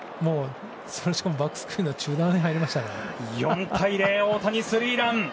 しかもバックスクリーンの中段に４対０、大谷スリーラン。